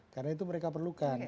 karena itu mereka perlukan